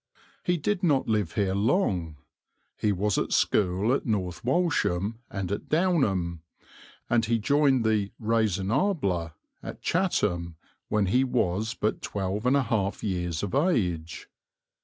He did not live here long. He was at school at North Walsham and at Downham, and he joined the Raisonnable at Chatham when he was but twelve and a half years of age.